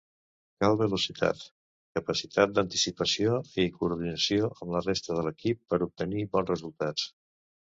Cal velocitat, capacitat d'anticipació i coordinació amb la resta de l'equip per obtenir bons resultats.